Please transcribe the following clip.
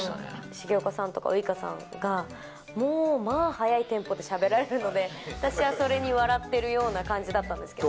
重岡さんとかウイカさんが、もうまあ、速いテンポでしゃべられるので、私はそれに笑ってるような感じだったんですけど。